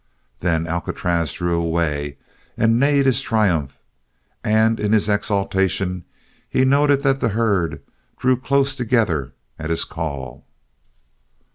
Then Alcatraz drew away and neighed his triumph, and in his exultation he noted that the herd drew close together at his call.